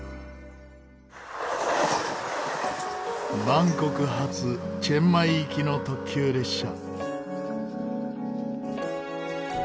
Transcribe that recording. バンコク発チェンマイ行きの特急列車。